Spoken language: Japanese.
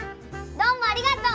どうもありがとう！